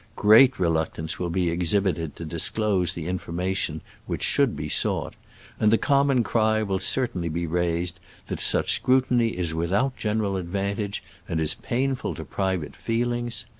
Great reluctance will be exhibited to disclose the information which should be sought, and the com mon cry will certainly be raised that such scrutiny is without general advan tage and is painful to private feelings.